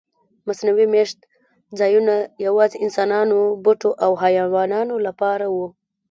مصنوعي میشت ځایونه یواځې انسانانو، بوټو او حیواناتو لپاره و.